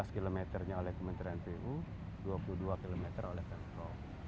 sebelas km nya oleh kementerian pu dua puluh dua km oleh pemprong